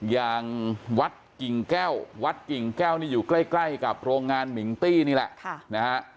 อย่างวัดกิ่งแก้ววัดกิ่งแก้วนี่อยู่ใกล้กับโรงงานมิงตี้นี่แหละนะฮะ